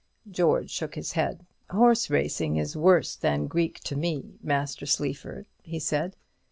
George shook his head. "Horse racing is worse than Greek to me, Master Sleaford," he said.